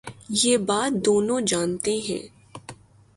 یہ بات دونوں جا نتے ہیں۔